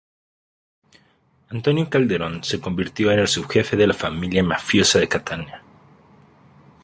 Antonino Calderone se convirtió en el subjefe de la familia mafiosa de Catania.